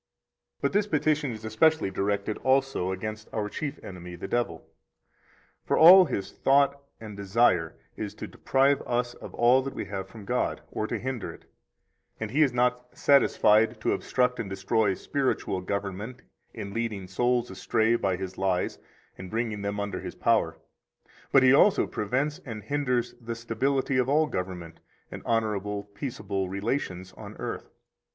80 But this petition is especially directed also against our chief enemy, the devil. For all his thought and desire is to deprive us of all that we have from God, or to hinder it; and he is not satisfied to obstruct and destroy spiritual government in leading souls astray by his lies and bringing them under his power, but he also prevents and hinders the stability of all government and honorable, peaceable relations on earth.